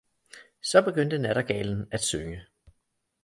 Så begyndte nattergalen at synge.